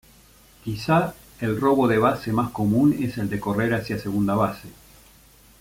Quizá el robo de base más común es el de correr hacia segunda base.